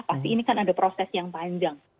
pasti ini kan ada proses yang panjang